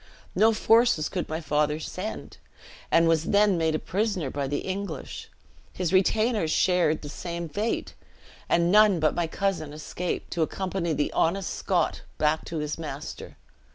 No forces could my father send; he was then made a prisoner by the English; his retainers shared the same fate, and none but my cousin escaped, to accompany the honest Scotch back to his master.